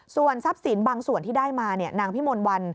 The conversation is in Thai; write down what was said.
ส่วนทรัพย์สินบางส่วนที่ได้มานางพิมนต์วัน